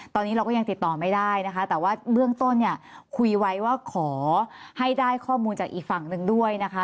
ตอนนี้เราก็ยังติดต่อไม่ได้นะคะแต่ว่าเบื้องต้นเนี่ยคุยไว้ว่าขอให้ได้ข้อมูลจากอีกฝั่งหนึ่งด้วยนะคะ